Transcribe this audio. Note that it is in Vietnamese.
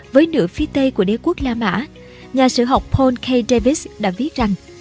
với nữ phi tê của đế quốc la mã nhà sử học paul k davis đã viết rằng